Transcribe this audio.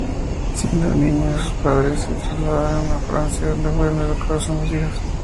Siendo niña sus padres se trasladaron a Francia, donde fueron educadas ambas hijas.